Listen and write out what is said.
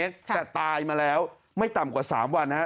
แต่ตายมาแล้วไม่ต่ำกว่า๓วันนะครับ